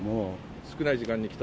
少ない時間に来た？